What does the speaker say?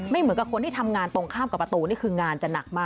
เหมือนกับคนที่ทำงานตรงข้ามกับประตูนี่คืองานจะหนักมาก